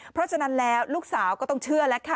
เพราะฉะนั้นแล้วลูกสาวก็ต้องเชื่อแล้วค่ะ